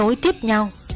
nói tiếp nhau